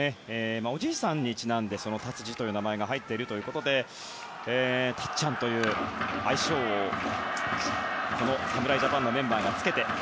おじいさんにちなんで達治という名前が入っているということでたっちゃんという愛称をこの侍ジャパンのメンバーがつけて。